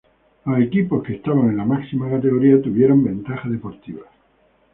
Los equipos que estaban en la máxima categoría tuvieron ventaja deportiva.